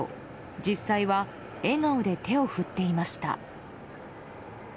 実際は笑顔で手を振っていました。